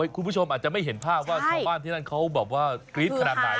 คุณผู้ชมอาจจะไม่เห็นภาพว่าชาวบ้านที่นั่นเขาแบบว่ากรี๊ดขนาดไหน